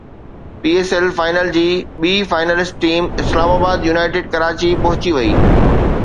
P S L final جي ٻي finalist team Islamabad United Karachi پهچي وئي